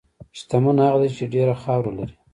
شتمن هغه دی چې ډېره خاوره لري.